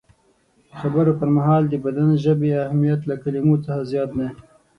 د خبرو پر مهال د بدن ژبې اهمیت له کلمو څخه زیات دی.